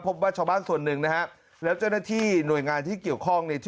พบว่าชาวบ้านส่วนหนึ่งนะฮะแล้วเจ้าหน้าที่หน่วยงานที่เกี่ยวข้องเนี่ย